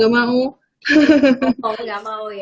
mau gak mau